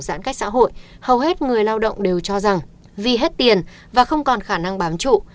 giãn cách xã hội hầu hết người lao động đều cho rằng vì hết tiền và không còn khả năng bám trụ